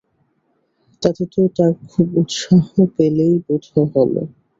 তাতে তো তার খুব উৎসাহ বলেই বোধ হল।